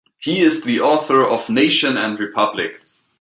He is the author of "Nation and Republic".